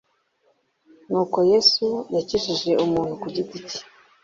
n uko yesu yakijije umuntu kugiti cye